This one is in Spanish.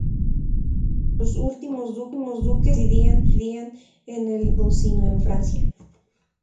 Los últimos duques no residían en el ducado, sino en Francia.